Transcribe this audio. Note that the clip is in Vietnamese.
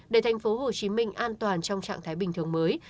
để tp hcm an toàn trong trạng thái bình thường mới